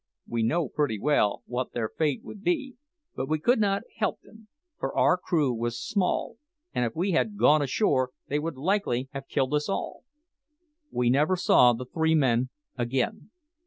We knew pretty well what their fate would be; but we could not help them, for our crew was small, and if we had gone ashore they would likely have killed us all. We never saw the three men again.